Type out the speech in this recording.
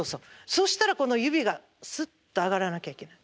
そしたらこの指がスッと上がらなきゃいけない。